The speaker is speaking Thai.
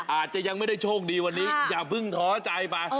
อาจจะยังไม่ได้โชคดีวันนี้อย่าเพิ่งท้อใจไป